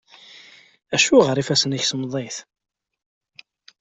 Acuɣer ifassen-ik semmḍit?